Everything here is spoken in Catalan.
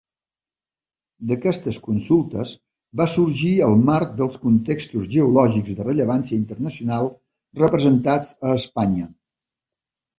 D'aquestes consultes va sorgir el marc dels contextos geològics de rellevància internacional representats a Espanya.